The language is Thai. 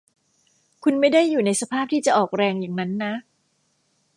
คุณไม่ได้อยู่ในสภาพที่จะออกแรงอย่างนั้นนะ